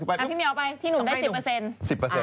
พี่เมียเอาไปพี่หนุนได้๑๐เปอร์เซ็นต์